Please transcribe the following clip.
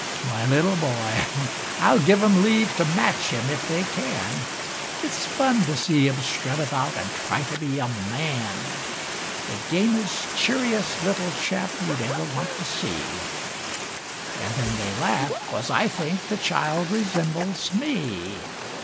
My little boy I'll give 'em leave to match him, if they can; It's fun to see him strut about, and try to be a man! The gamest, cheeriest little chap, you'd ever want to see! And then they laugh, because I think the child resembles me.